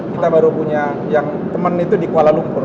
kita baru punya yang teman itu di kuala lumpur